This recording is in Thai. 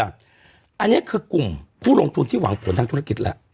อันนี้คือกลุ่มผู้ลงทุนที่หวังผลทางธุรกิจแล้ว